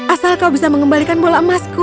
asal kau bisa mengembalikan bola emasku